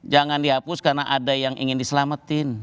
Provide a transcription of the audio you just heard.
jangan dihapus karena ada yang ingin diselamatin